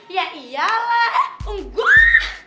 ya iyalah enggak